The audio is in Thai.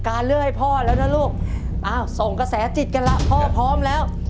เลือกให้พ่อแล้วนะลูกอ้าวส่งกระแสจิตกันล่ะพ่อพร้อมแล้ว